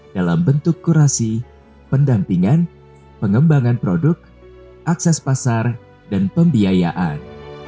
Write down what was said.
dalam bentuk kurasi pendampingan pengembangan produk akses pasar dan pembiayaan